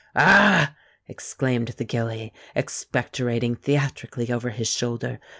"A a a h!" exclaimed the gilly, expectorating theatrically over his shoulder.